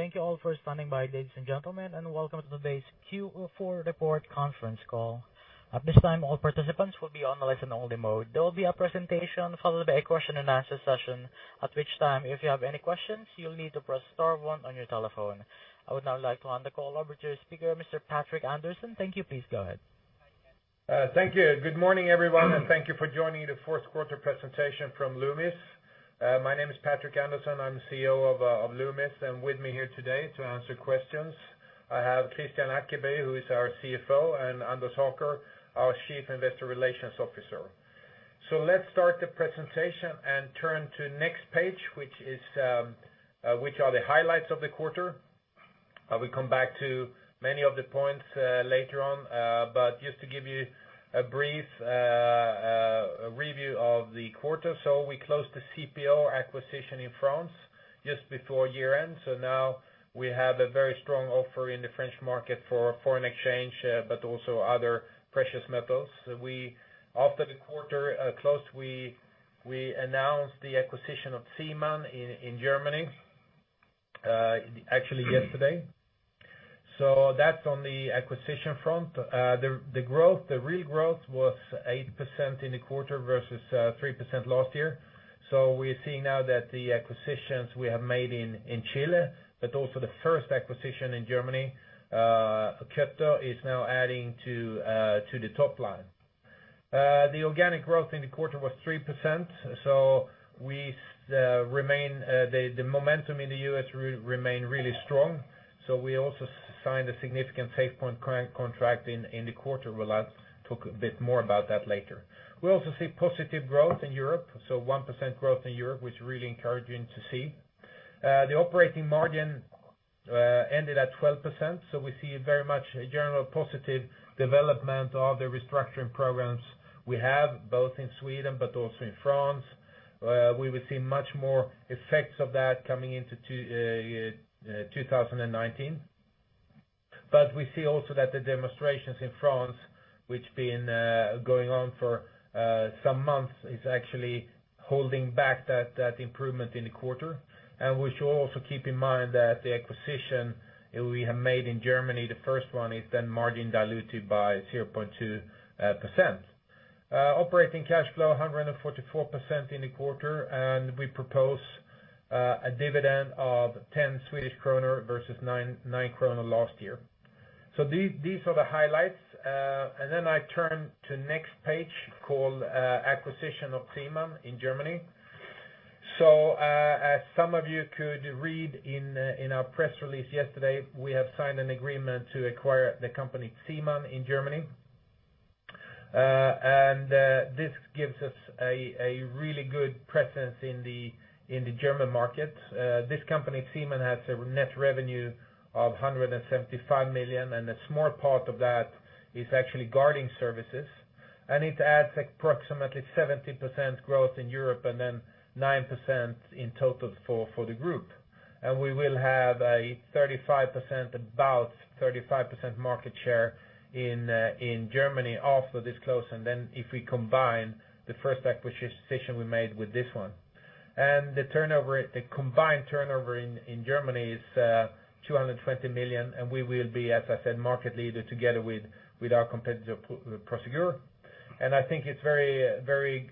Thank you all for standing by, ladies and gentlemen, and welcome to today's Q4 report conference call. At this time, all participants will be on listen-only mode. There will be a presentation followed by a question-and-answer session, at which time, if you have any questions, you'll need to press star one on your telephone. I would now like to hand the call over to your speaker, Mr. Patrik Andersson. Thank you. Please go ahead. Thank you. Good morning, everyone, and thank you for joining the fourth quarter presentation from Loomis. My name is Patrik Andersson. I'm CEO of Loomis, and with me here today to answer questions, I have Kristian Ackeby who is our CFO, and Anders Haker, our Chief Investor Relations Officer. Let's start the presentation and turn to next page, which are the highlights of the quarter. I will come back to many of the points later on, but just to give you a brief review of the quarter. We closed the CPoR acquisition in France just before year-end. Now we have a very strong offer in the French market for foreign exchange, but also other precious metals. After the quarter close, we announced the acquisition of Ziemann in Germany, actually yesterday. That's on the acquisition front. The real growth was 8% in the quarter versus 3% last year. We are seeing now that the acquisitions we have made in Chile, but also the first acquisition in Germany, KÖTTER, is now adding to the top line. The organic growth in the quarter was 3%. The momentum in the U.S. remain really strong. We also signed a significant SafePoint contract in the quarter. We'll talk a bit more about that later. We also see positive growth in Europe, 1% growth in Europe, which is really encouraging to see. The operating margin ended at 12%. We see very much a general positive development of the restructuring programs we have, both in Sweden but also in France. We will see much more effects of that coming into 2019. We see also that the demonstrations in France, which been going on for some months, is actually holding back that improvement in the quarter. We should also keep in mind that the acquisition we have made in Germany, the first one, is then margin diluted by 0.2%. Operating cash flow 144% in the quarter. We propose a dividend of 10 Swedish kronor versus 9 kronor last year. These are the highlights. I turn to next page called acquisition of Ziemann in Germany. As some of you could read in our press release yesterday, we have signed an agreement to acquire the company Ziemann in Germany. This gives us a really good presence in the German market. This company, Ziemann, has a net revenue of 175 million, a small part of that is actually guarding services, it adds approximately 70% growth in Europe, then 9% in total for the group. We will have about 35% market share in Germany after this close if we combine the first acquisition we made with this one. The combined turnover in Germany is 220 million, and we will be, as I said, market leader together with our competitor, Prosegur. I think it's very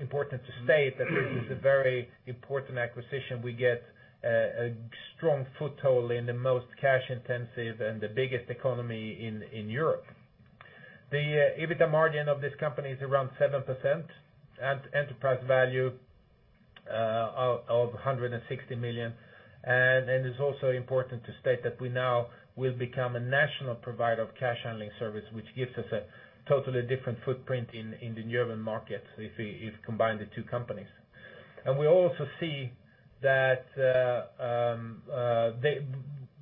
important to state that this is a very important acquisition. We get a strong foothold in the most cash-intensive and the biggest economy in Europe. The EBITDA margin of this company is around 7%, and enterprise value of 160 million. It's also important to state that we now will become a national provider of cash handling service, which gives us a totally different footprint in the German market if we combine the two companies. We also see that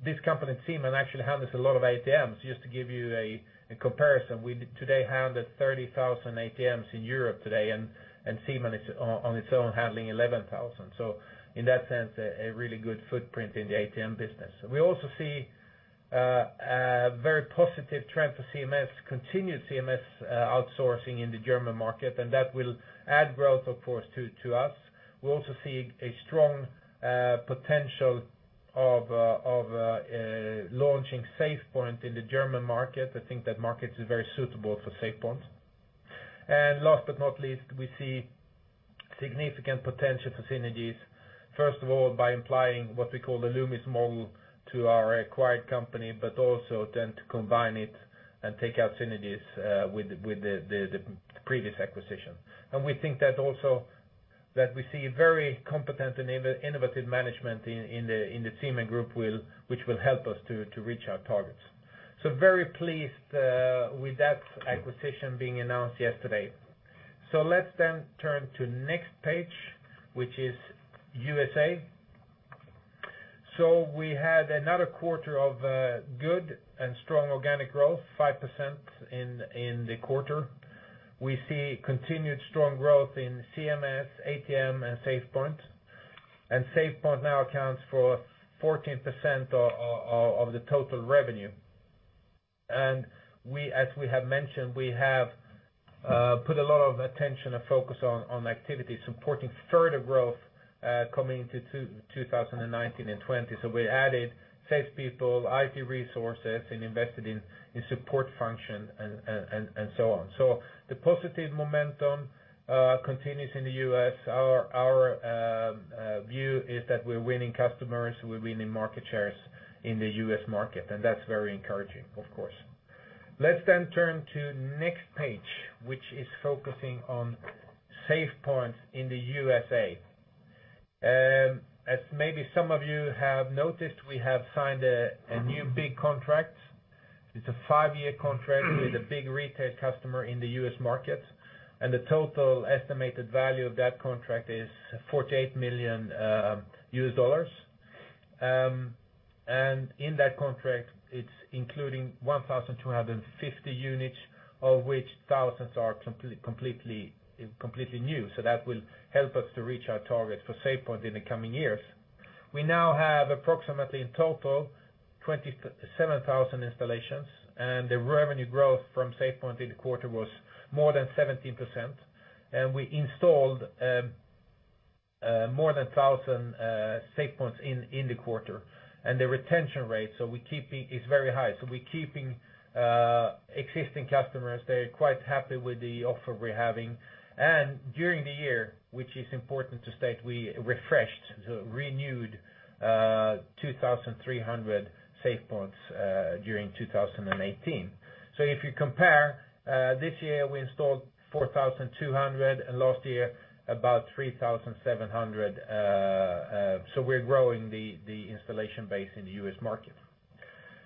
this company, Ziemann, actually handles a lot of ATMs. Just to give you a comparison, we today handle 30,000 ATMs in Europe today, Ziemann is on its own handling 11,000. In that sense, a really good footprint in the ATM business. We also see a very positive trend for continued CMS outsourcing in the German market, that will add growth, of course, to us. We also see a strong potential of launching SafePoint in the German market. I think that market is very suitable for SafePoint. Last but not least, we see significant potential for synergies. First of all, by implying what we call the Loomis model to our acquired company, but also then to combine it and take out synergies with the previous acquisition. We think that also that we see very competent and innovative management in the Ziemann Group which will help us to reach our targets. Very pleased with that acquisition being announced yesterday. Let's then turn to next page, which is USA. We had another quarter of good and strong organic growth, 5% in the quarter. We see continued strong growth in CMS, ATM, and SafePoint. SafePoint now accounts for 14% of the total revenue. As we have mentioned, we have put a lot of attention and focus on activities supporting further growth coming into 2019 and 2020. We added salespeople, IT resources, and invested in support function and so on. The positive momentum continues in the U.S. Our view is that we're winning customers, we're winning market shares in the U.S. market, that's very encouraging, of course. Let's then turn to next page, which is focusing on SafePoint in the USA. As maybe some of you have noticed, we have signed a new big contract. It's a 5-year contract with a big retail customer in the U.S. market, the total estimated value of that contract is $48 million. In that contract, it's including 1,250 units, of which thousands are completely new. That will help us to reach our targets for SafePoint in the coming years. We now have approximately in total 27,000 installations, the revenue growth from SafePoint in the quarter was more than 17%. We installed more than 1,000 SafePoints in the quarter. The retention rate is very high. We're keeping existing customers. They're quite happy with the offer we're having. During the year, which is important to state, we refreshed, renewed 2,300 SafePoints during 2018. If you compare, this year we installed 4,200 and last year about 3,700. We're growing the installation base in the U.S. market.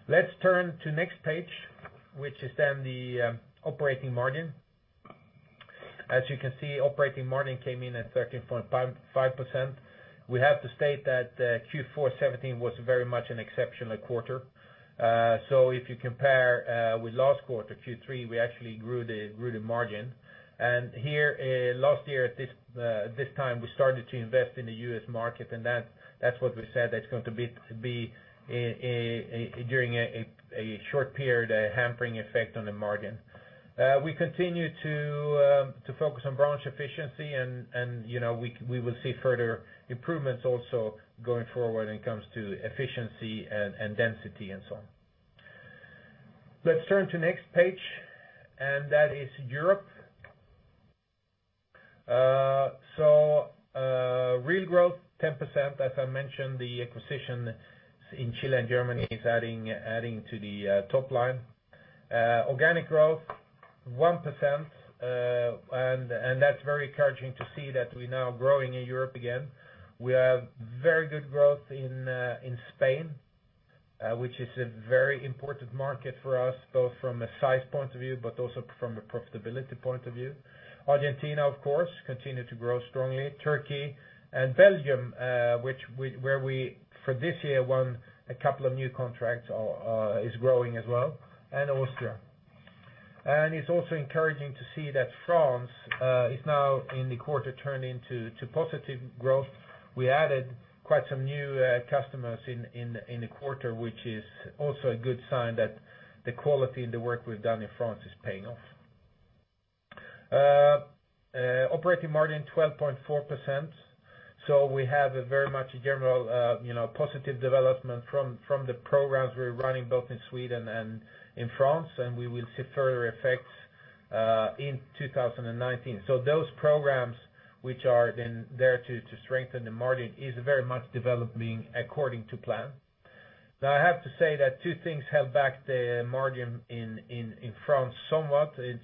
Let's turn to next page, which is then the operating margin. As you can see, operating margin came in at 13.5%. We have to state that Q4 2017 was very much an exceptional quarter. If you compare with last quarter, Q3, we actually grew the margin. Here last year at this time, we started to invest in the U.S. market, and that's what we said, that's going to be during a short period, a hampering effect on the margin. We continue to focus on branch efficiency, we will see further improvements also going forward when it comes to efficiency and density and so on. Let's turn to next page, and that is Europe. Real growth 10%, as I mentioned, the acquisitions in Chile and Germany is adding to the top line. Organic growth 1%, that's very encouraging to see that we're now growing in Europe again. We have very good growth in Spain, which is a very important market for us, both from a size point of view, but also from a profitability point of view. Argentina, of course, continue to grow strongly. Turkey and Belgium, where we, for this year, won a couple of new contracts, is growing as well, and Austria. It's also encouraging to see that France is now in the quarter turning to positive growth. We added quite some new customers in the quarter, which is also a good sign that the quality in the work we've done in France is paying off. Operating margin 12.4%. We have a very much general positive development from the programs we're running both in Sweden and in France, we will see further effects in 2019. Those programs which are then there to strengthen the margin is very much developing according to plan. Now, I have to say that two things have backed the margin in France somewhat. It's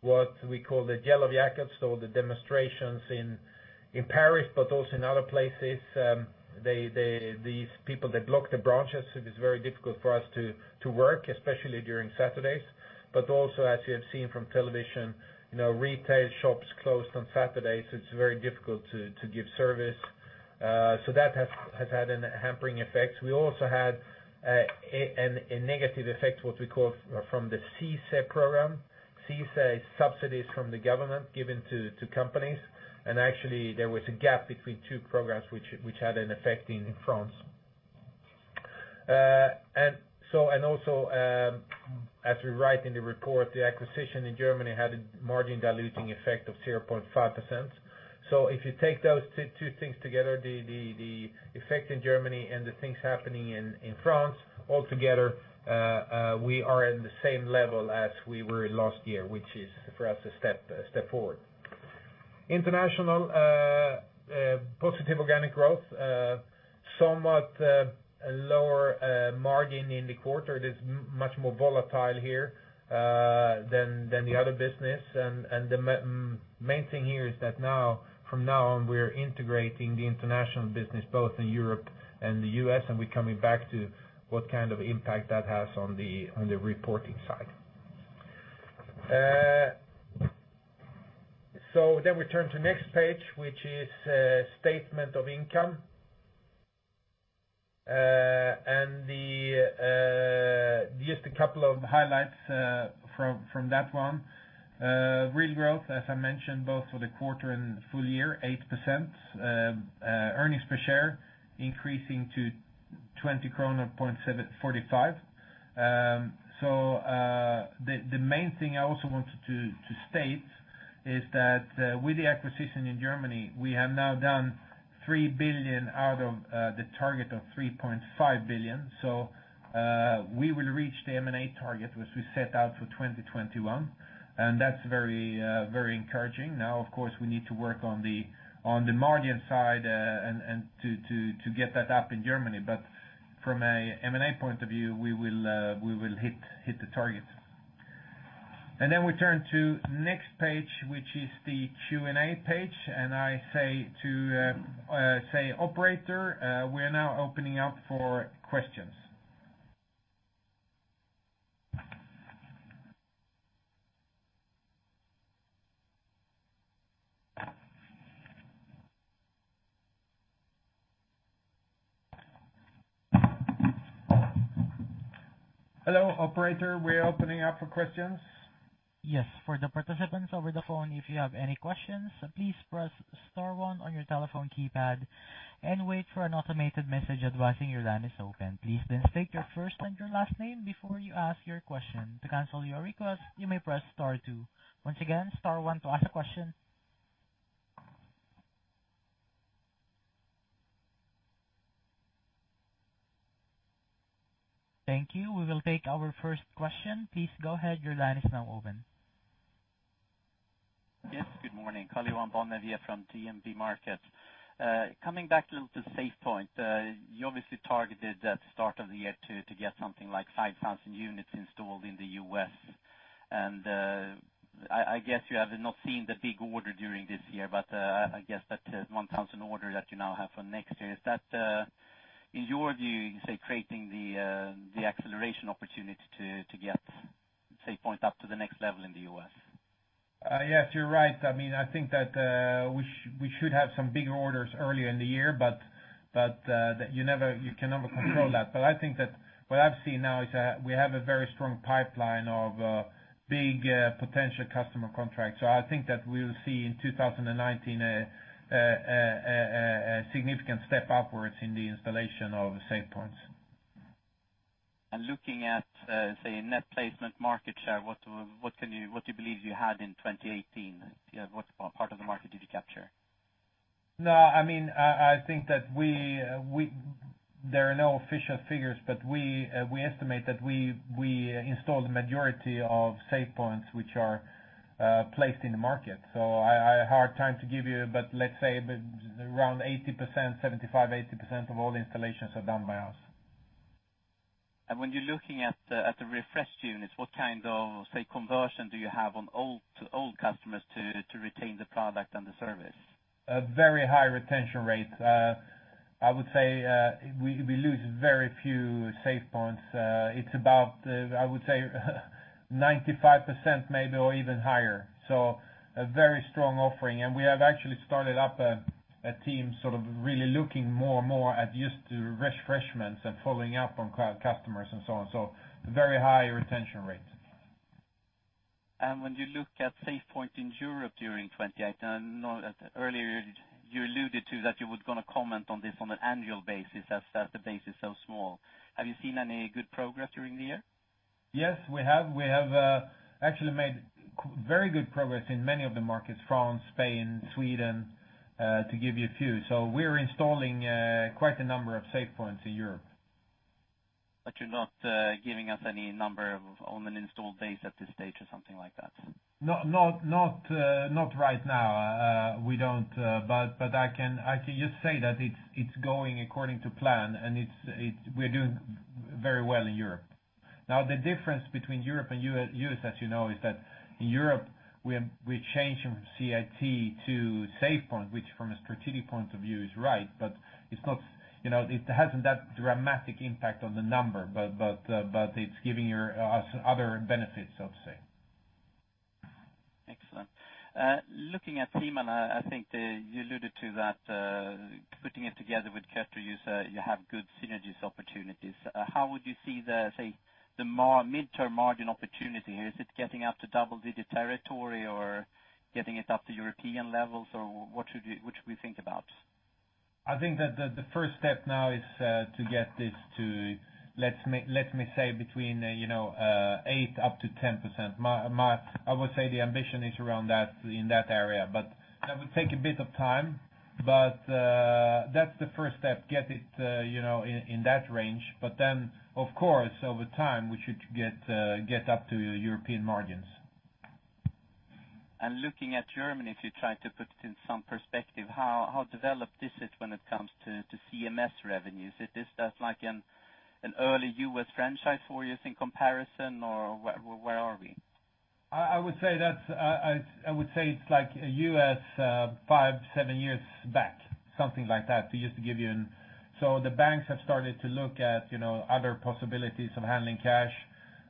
what we call the Yellow Vests, so the demonstrations in Paris, but also in other places. These people, they block the branches. It is very difficult for us to work, especially during Saturdays. Also, as you have seen from television, retail shops closed on Saturdays, it's very difficult to give service. That has had a hampering effect. We also had a negative effect, what we call from the CICE program. CICE is subsidies from the government given to companies. Actually, there was a gap between two programs which had an effect in France. Also, as we write in the report, the acquisition in Germany had a margin-diluting effect of 0.5%. If you take those two things together, the effect in Germany and the things happening in France all together, we are in the same level as we were last year, which is for us a step forward. International positive organic growth, somewhat lower margin in the quarter. It is much more volatile here than the other business. The main thing here is that from now on, we're integrating the international business both in Europe and the U.S., we're coming back to what kind of impact that has on the reporting side. We turn to next page, which is statement of income. Just a couple of highlights from that one. Real growth, as I mentioned, both for the quarter and full year, 8%. Earnings per share increasing to 20.745 krona. The main thing I also wanted to state is that with the acquisition in Germany, we have now done 3 billion out of the target of 3.5 billion. We will reach the M&A target, which we set out for 2021, that's very encouraging. Of course, we need to work on the margin side and to get that up in Germany. From a M&A point of view, we will hit the target. We turn to next page, which is the Q&A page. I say to operator we are now opening up for questions. Hello, operator. We are opening up for questions. Yes. For the participants over the phone, if you have any questions, please press star one on your telephone keypad and wait for an automated message advising your line is open. State your first and your last name before you ask your question. To cancel your request, you may press star two. Once again, star one to ask a question. Thank you. We will take our first question. Please go ahead. Your line is now open. Yes, good morning. Karl-Johan Bonnevier here from DNB Markets. Coming back a little to SafePoint. You obviously targeted at the start of the year to get something like 5,000 units installed in the U.S., I guess you have not seen the big order during this year, I guess that 1,000 order that you now have for next year, is that, in your view, you say creating the acceleration opportunity to get SafePoint up to the next level in the U.S.? Yes, you're right. I think that we should have some bigger orders earlier in the year, but you can never control that. I think that what I've seen now is that we have a very strong pipeline of big potential customer contracts. I think that we will see in 2019 a significant step upwards in the installation of SafePoints. Looking at, say, net placement market share, what do you believe you had in 2018? What part of the market did you capture? I think that there are no official figures, but we estimate that we installed the majority of SafePoints which are placed in the market. A hard time to give you, but let's say around 75%-80% of all the installations are done by us. When you're looking at the refreshed units, what kind of, say, conversion do you have on old customers to retain the product and the service? A very high retention rate. I would say we lose very few SafePoints. It's about, I would say 95% maybe, or even higher. A very strong offering. We have actually started up a team sort of really looking more and more at just the refreshments and following up on customers and so on. Very high retention rates. When you look at SafePoint in Europe during 2018, I know that earlier you alluded to that you were going to comment on this on an annual basis as the base is so small. Have you seen any good progress during the year? Yes, we have. We have actually made very good progress in many of the markets, France, Spain, Sweden, to give you a few. We're installing quite a number of SafePoints in Europe. You're not giving us any number of on an installed base at this stage or something like that? Not right now. We don't. I can just say that it's going according to plan, and we're doing very well in Europe. Now, the difference between Europe and U.S., as you know, is that in Europe we changed from CIT to SafePoint, which from a strategic point of view is right, but it hasn't that dramatic impact on the number. It's giving us other benefits, so to say. Excellent. Looking at Germany, I think you alluded to that, putting it together with KÖTTER, you have good synergies opportunities. How would you see the midterm margin opportunity here? Is it getting up to double-digit territory or getting it up to European levels, or what should we think about? I think that the first step now is to get this to, let me say between 8% up to 10%. I would say the ambition is around in that area. That will take a bit of time, but that's the first step, get it in that range. Of course, over time, we should get up to European margins. Looking at Germany, if you try to put it in some perspective, how developed is it when it comes to CMS revenues? Is this that like an early U.S. franchise for you think comparison, or where are we? I would say it's like a U.S. five, seven years back, something like that, just to give you an. The banks have started to look at other possibilities of handling cash.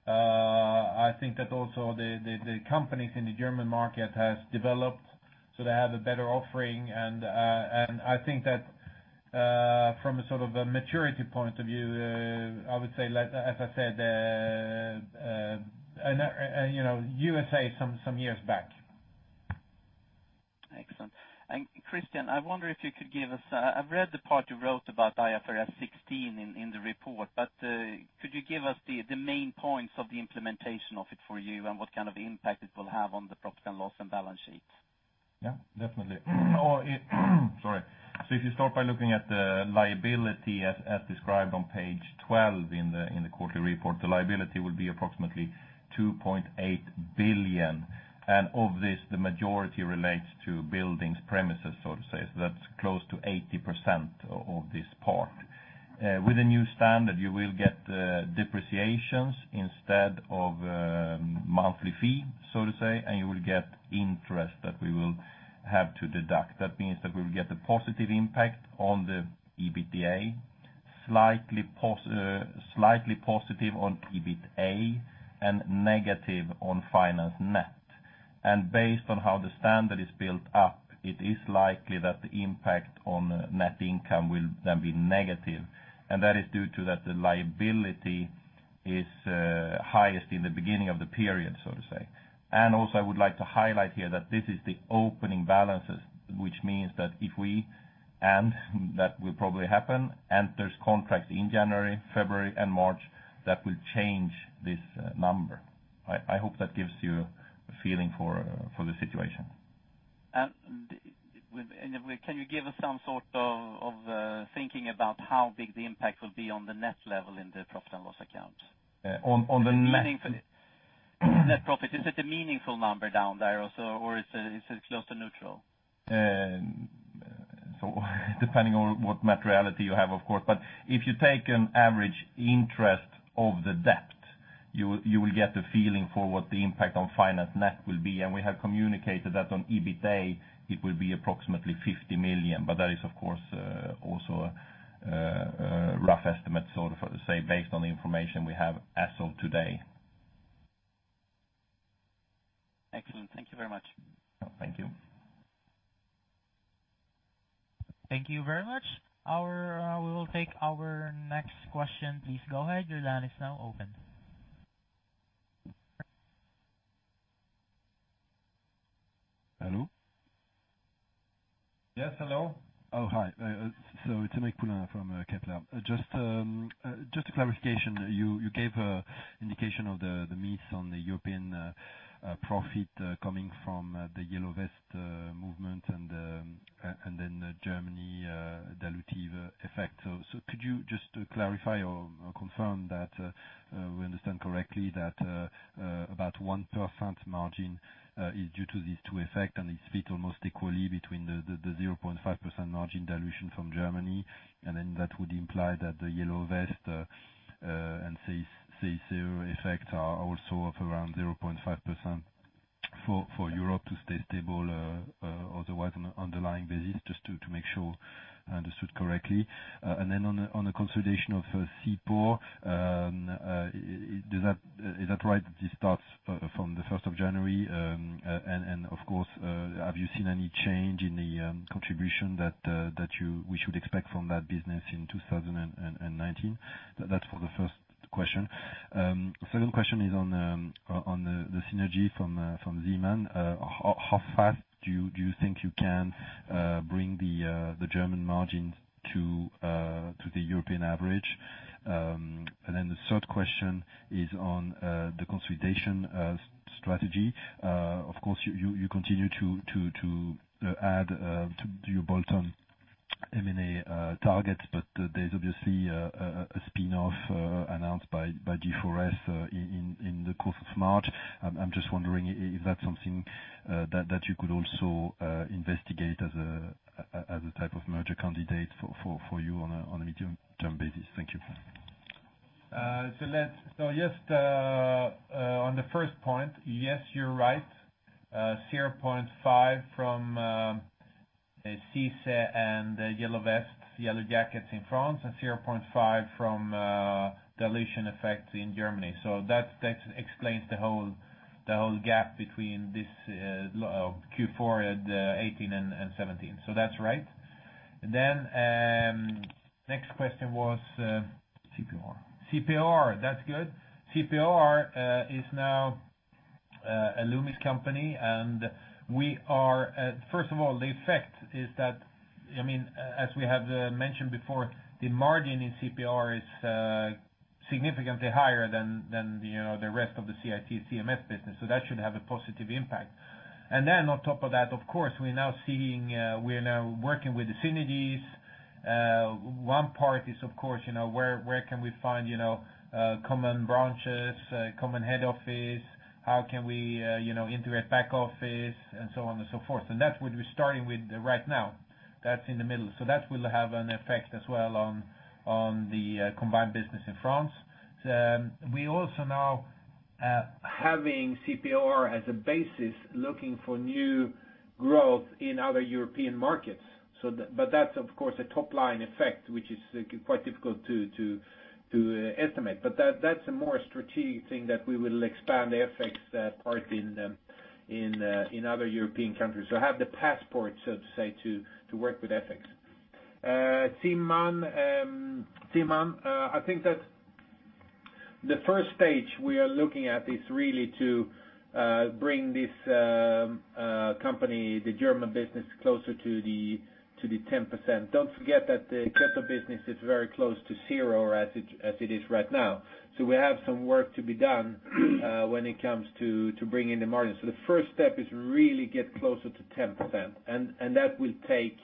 I think that also the companies in the German market have developed, so they have a better offering, and I think that from a sort of a maturity point of view, I would say, as I said U.S.A. some years back. Kristian, I wonder if you could give us I've read the part you wrote about IFRS 16 in the report, but could you give us the main points of the implementation of it for you and what kind of impact it will have on the profit and loss and balance sheets? Definitely. Sorry. If you start by looking at the liability as described on page 12 in the quarterly report, the liability will be approximately 2.8 billion. Of this, the majority relates to buildings premises, so to say. That's close to 80% of this part. With the new standard, you will get depreciations instead of monthly fee, so to say, and you will get interest that we will have to deduct. That means that we will get a positive impact on the EBITDA, slightly positive on EBITA, and negative on finance net. Based on how the standard is built up, it is likely that the impact on net income will then be negative. That is due to that the liability is highest in the beginning of the period, so to say. Also I would like to highlight here that this is the opening balances, which means that if we, and that will probably happen, enter contracts in January, February, and March, that will change this number. I hope that gives you a feeling for the situation. Can you give us some sort of thinking about how big the impact will be on the net level in the profit and loss account? On the net. Net profit, is it a meaningful number down there also, or is it close to neutral? Depending on what materiality you have, of course. If you take an average interest of the debt, you will get a feeling for what the impact on finance net will be, and we have communicated that on EBITA, it will be approximately 50 million. That is of course also a rough estimate based on the information we have as of today. Excellent. Thank you very much. Thank you. Thank you very much. We will take our next question. Please go ahead. Your line is now open. Hello? Yes. Hello. It's Emek Poulin from Kepler. Just a clarification. You gave indication of the miss on the European profit coming from the Yellow Vest movement and then Germany dilutive effect. Could you just clarify or confirm that we understand correctly that about 1% margin is due to these two effects and it's split almost equally between the 0.5% margin dilution from Germany, and that would imply that the Yellow Vest and CICE effect are also of around 0.5% for Europe to stay stable otherwise on an underlying basis? Just to make sure I understood correctly. On the consolidation of CPoR, is that right that this starts from the 1st of January? Of course, have you seen any change in the contribution that we should expect from that business in 2019? That's for the first question. Second question is on the synergy from Ziemann. How fast do you think you can bring the German margins to the European average? The third question is on the consolidation strategy. Of course, you continue to add to your bolt-on M&A targets, there's obviously a spin-off announced by G4S in the course of March. I'm just wondering if that's something that you could also investigate as a type of merger candidate for you on a medium-term basis. Thank you. Just on the first point, yes, you're right. 0.5% from CICE and Yellow Vests, Yellow Jackets in France, and 0.5% from dilution effects in Germany. That explains the whole gap between this Q4 at 2018 and 2017. That's right. Next question was. CPoR. CPoR, that's good. CPoR is now a Loomis company. First of all, the effect is that, as we have mentioned before, the margin in CPoR is significantly higher than the rest of the CIT CMS business. That should have a positive impact. On top of that, of course, we're now working with the synergies. One part is, of course, where can we find common branches, common head office? How can we integrate back office? So on and so forth. That's what we're starting with right now. That's in the middle. That will have an effect as well on the combined business in France. We also now are having CPoR as a basis, looking for new growth in other European markets. That's of course a top-line effect, which is quite difficult to estimate. That's a more strategic thing that we will expand the FX part in other European countries. Have the passport, so to say, to work with FX. Ziemann, I think that The first stage we are looking at is really to bring this company, the German business, closer to the 10%. Don't forget that the Kipfer-Logistik business is very close to zero as it is right now. We have some work to be done when it comes to bringing the margin. The first step is really get closer to 10%. That will take,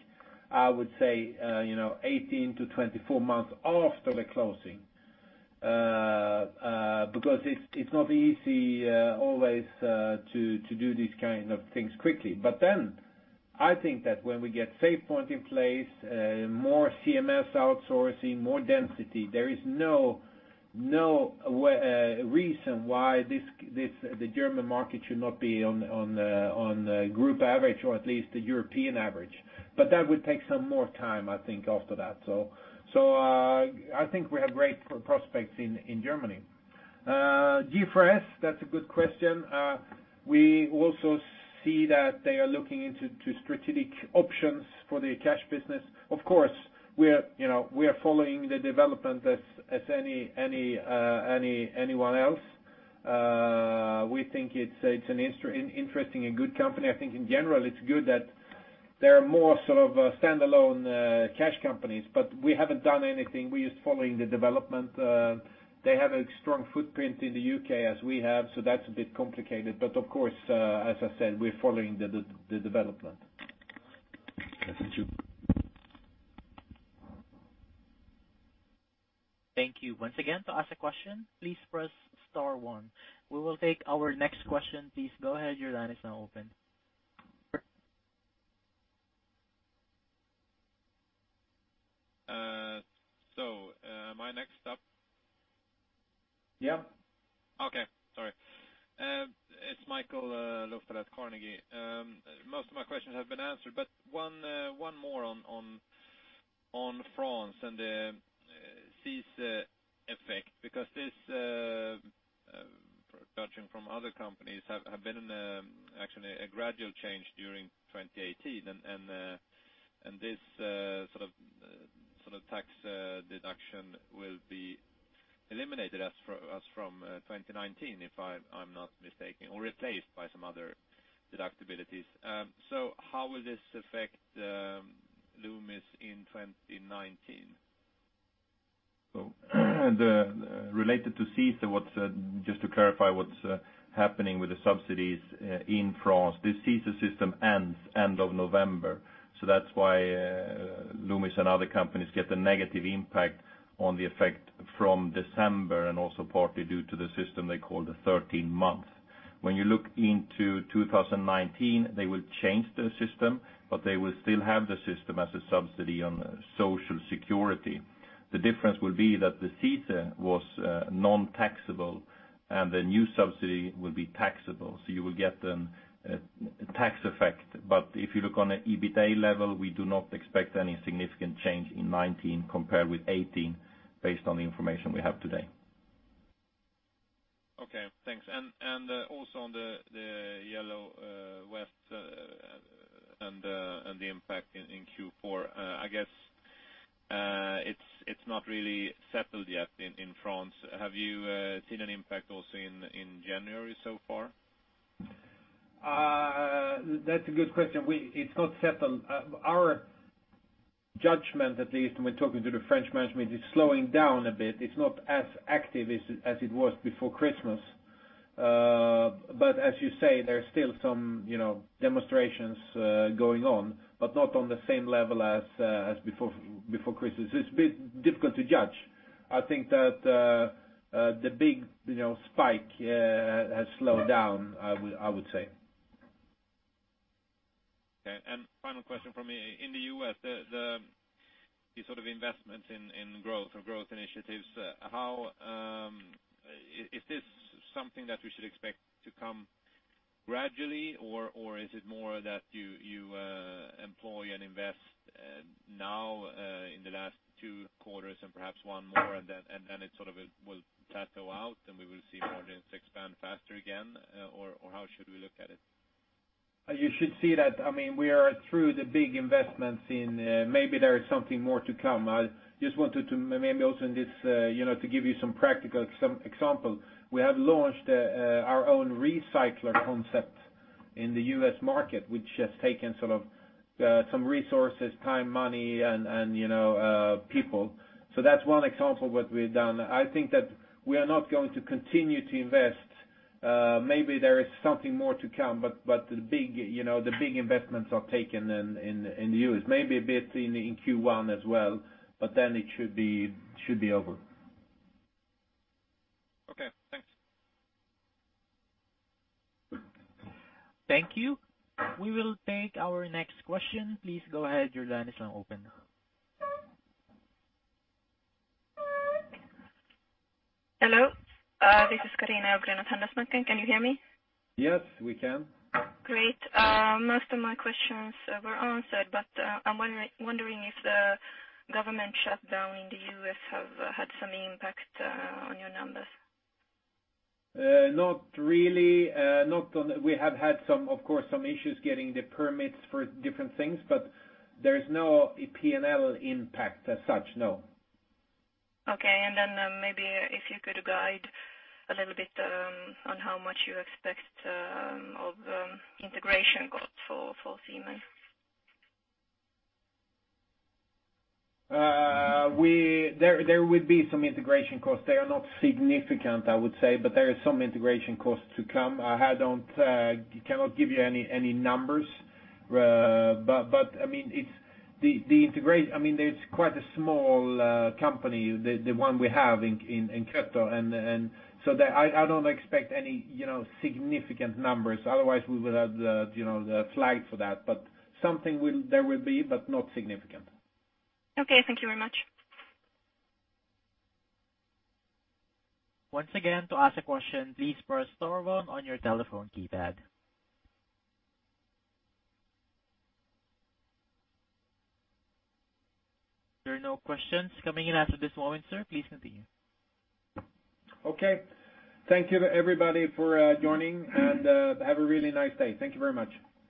I would say, 18-24 months after the closing. Because it's not easy always to do these kind of things quickly. I think that when we get SafePoint in place, more CMS outsourcing, more density, there is no reason why the German market should not be on the group average, or at least the European average. That would take some more time, I think, after that. I think we have great prospects in Germany. G4S, that's a good question. We also see that they are looking into strategic options for the cash business. Of course, we are following the development as anyone else. We think it's an interesting and good company. I think in general, it's good that there are more standalone cash companies, but we haven't done anything. We're just following the development. They have a strong footprint in the U.K., as we have, so that's a bit complicated. Of course, as I said, we're following the development. Thank you. Once again, to ask a question, please press star one. We will take our next question. Please go ahead. Your line is now open. Am I next up? Yeah. Okay, sorry. It's Michael Lofter at Carnegie. Most of my questions have been answered, one more on France and the CICE effect, because this, judging from other companies, have been in actually a gradual change during 2018, and this sort of tax deduction will be eliminated as from 2019, if I'm not mistaken, or replaced by some other deductibilities. How will this affect Loomis in 2019? Related to CICE, just to clarify what's happening with the subsidies in France. This CICE system ends end of November. That's why Loomis and other companies get a negative impact on the effect from December, and also partly due to the system they call the 13th month. When you look into 2019, they will change the system, but they will still have the system as a subsidy on Social Security. The difference will be that the CICE was non-taxable and the new subsidy will be taxable. You will get a tax effect. If you look on the EBITA level, we do not expect any significant change in 2019 compared with 2018 based on the information we have today. Okay, thanks. Also on the Yellow Vest and the impact in Q4, I guess it's not really settled yet in France. Have you seen an impact also in January so far? That's a good question. It's not settled. Our judgment at least, when talking to the French management, is slowing down a bit. It's not as active as it was before Christmas. As you say, there are still some demonstrations going on, but not on the same level as before Christmas. It's a bit difficult to judge. I think that the big spike has slowed down, I would say. Okay, final question from me. In the U.S., the sort of investments in growth or growth initiatives, is this something that we should expect to come gradually, or is it more that you employ and invest now in the last two quarters and perhaps one more, and then it sort of will plateau out and we will see margins expand faster again? How should we look at it? You should see that we are through the big investments. Maybe there is something more to come. I just wanted to maybe also in this to give you some practical example. We have launched our own recycler concept in the U.S. market, which has taken some resources, time, money, and people. That's one example what we've done. I think that we are not going to continue to invest. Maybe there is something more to come, but the big investments are taken in the U.S. Maybe a bit in Q1 as well, then it should be over. Okay, thanks. Thank you. We will take our next question. Please go ahead. Your line is now open. Hello. This is Karina Ofgranat Handelsbanken. Can you hear me? Yes, we can. Great. I'm wondering if the government shutdown in the U.S. have had some impact on your numbers. Not really. We have had, of course, some issues getting the permits for different things, but there is no P&L impact as such, no. Okay, maybe if you could guide a little bit on how much you expect of integration costs for Ziemann. There will be some integration costs. They are not significant, I would say, but there is some integration costs to come. I cannot give you any numbers. It's quite a small company, the one we have in Kipfer-Logistik, so I don't expect any significant numbers. Otherwise, we will have the flag for that. Something there will be, but not significant. Okay. Thank you very much. Once again, to ask a question, please press star one on your telephone keypad. There are no questions coming in as of this moment, sir. Please continue. Okay. Thank you to everybody for joining, have a really nice day. Thank you very much.